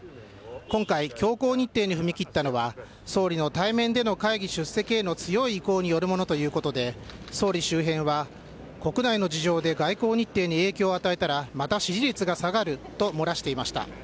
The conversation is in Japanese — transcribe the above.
今回、強行日程に踏み切ったのは総理の対面での会議出席への強い意向によるものということで総理周辺は国内の事情で外交日程に影響を与えたらまた、支持率が下がると漏らしていました。